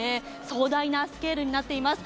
壮大なスケールになっています。